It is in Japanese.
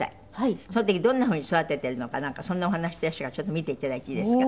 その時どんな風に育ててるのかそんなお話していらっしゃるから見ていただいていいですか？